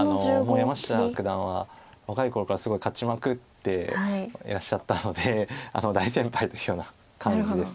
山下九段は若い頃からすごい勝ちまくっていらっしゃったので大先輩というような感じです。